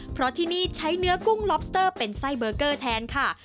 เพราะที่นี่ใช้เนื้อกุ้งล็อบสเตอร์เป็นไส้เบอร์เกอร์แทนค่ะ